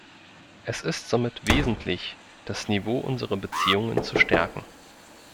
Es ist somit wesentlich, das Niveau unserer Beziehungen zu stärken.